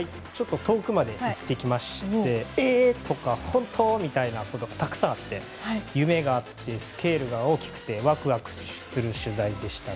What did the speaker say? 遠くまで行ってきましてえ？とか、本当？みたいなことがたくさんあって夢があって、スケールが大きくてワクワクする取材でした。